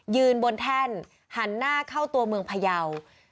บนแท่นหันหน้าเข้าตัวเมืองพยาว